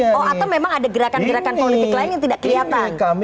atau memang ada gerakan gerakan politik lain yang tidak kelihatan